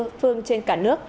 tại các địa phương trên cả nước